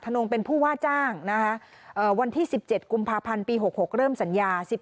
นงเป็นผู้ว่าจ้างวันที่๑๗กุมภาพันธ์ปี๖๖เริ่มสัญญา๑๑